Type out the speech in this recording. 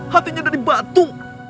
hatinya dari batu